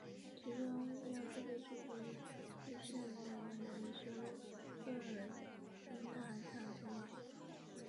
其中要特别指出的是乃蛮的国师畏兀儿人塔塔统阿。